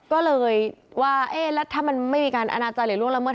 ก็เลยว่าเอ๊ะแล้วถ้ามันไม่มีการอนาจารย์หรือล่วงละเมิ